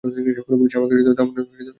কোনো পুলিশ আমাকে থামানোর দুৎসাহস করে না।